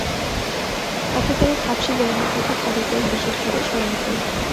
আফ্রিকার এক হাবশী গোলামের কথা খালিদের বিশেষভাবে স্মরণ হয়।